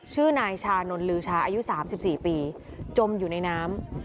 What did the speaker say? ชื่อนายชานนท์ลือชาอายุ๓๔ปีจมอยู่ในน้ำ